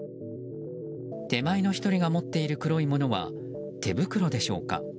手前の１人が持っている黒いものは手袋でしょうか。